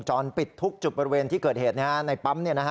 จรปิดทุกจุดบริเวณที่เกิดเหตุในปั๊ม